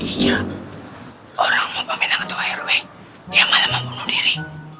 orang mau pemenang ketua rw dia malah membunuh diri